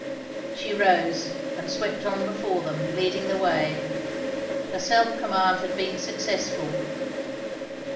She rose and swept on before them, leading the way. Her self command had been successful.